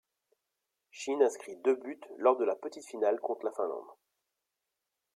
Shin inscrit deux buts lors de la petite finale contre la Finlande.